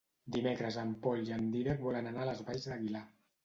Dimecres en Pol i en Dídac volen anar a les Valls d'Aguilar.